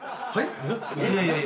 はい？